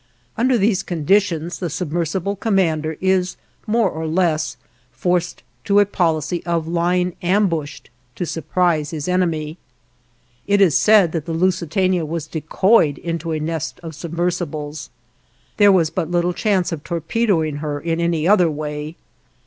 Under these conditions the submersible commander is more or less forced to a policy of lying ambushed to surprise his enemy. It is said that the "Lusitania" was decoyed into a nest of submersibles. There was but little chance of torpedoing her in any other way.